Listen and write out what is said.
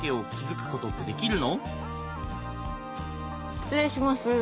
失礼します。